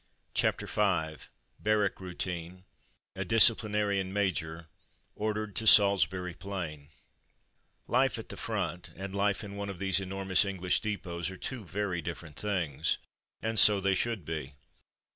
CHAPTER V BARRACK ROUTINE — ^A DISCIPLINARIAN MAJOR — ORDERED TO SALISBURY PLAIN Life at the front and life in one of these enormous English depots are two very differ ent things. And so they should be.